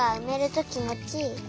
ときもちいい。